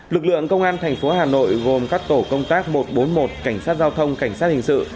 lực lượng công an thành phố hà nội gồm các tổ công tác một trăm bốn mươi một cảnh sát giao thông cảnh sát hình sự